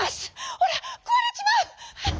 おらくわれちまう」。